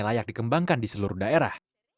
layak dikembangkan di seluruh daerah